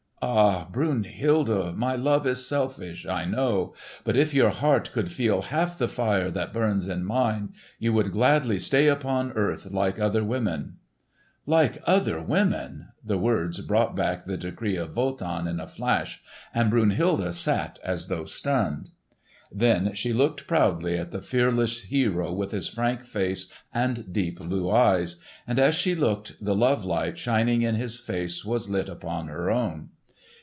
"Ah, Brunhilde, my love is selfish, I know! But if your heart could feel half the fire that burns in mine, you would gladly stay upon earth like other women!" "Like other women!" the words brought back the decree of Wotan in a flash, and Brunhilde sat as though stunned. Then she looked proudly at the fearless hero with his frank face and deep blue eyes; and as she looked the love light shining in his face was lit upon her own.